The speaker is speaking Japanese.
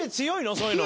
そういうの。